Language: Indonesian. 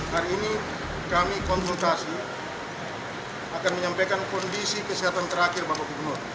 hari ini kami konsultasi akan menyampaikan kondisi kesehatan terakhir bapak gubernur